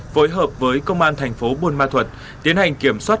phối hợp với công an thành phố buôn ma thuật tiến hành kiểm soát